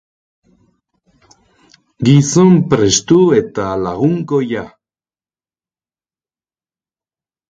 Gizon prestu eta lagunkoia.